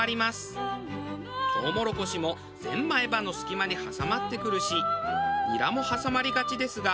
トウモロコシも全前歯の隙間に挟まってくるしニラも挟まりがちですが